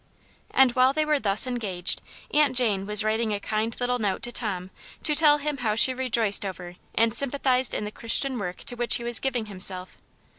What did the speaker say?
And while they were thus engaged Aunt Jane was writing a kind little note to Tom to tell him how she rejoiced over and sympathized in the Christian work to which he was giving himself.